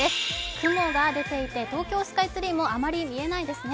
雲が出ていて、東京スカイツリーもあまり見えないんですね。